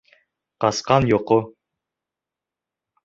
ҠАСҠАН ЙОҠО